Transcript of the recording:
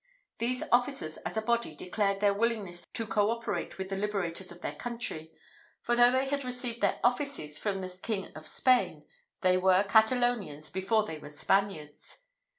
These officers, as a body, declared their willingness to co operate with the liberators of their country; for though they had received their offices from the King of Spain, they were Catalonians before they were Spaniards.